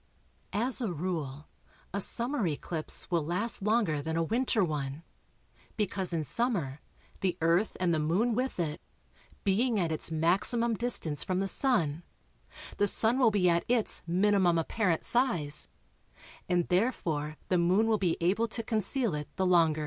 As a rule, a summer eclipse will last longer than a winter one, because in summer the Earth (and the Moon with it), being at its maximum distance from the Sun, the Sun will be at its minimum apparent size, and therefore the Moon will be able to conceal it the longer.